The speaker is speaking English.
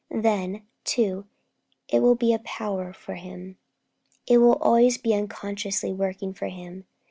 Then, too, it will be a power for Him. It will always be unconsciously working for Him.